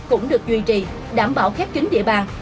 cũng được duy trì đảm bảo khép kính địa bàn